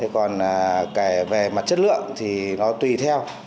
còn về mặt chất lượng thì nó tùy theo